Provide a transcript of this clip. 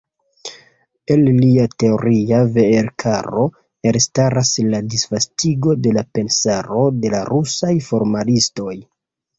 El lia teoria veerkaro elstaras la disvastigo de la pensaro de la rusaj formalistoj.